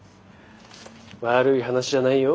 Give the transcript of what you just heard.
悪い話じゃないよ